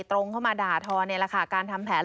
ตรงเข้ามาด่าทอในราคาการทำแผน